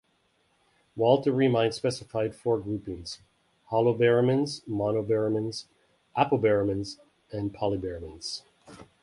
Walter ReMine specified four groupings: holobaramins, monobaramins, apobaramins, and polybaramins.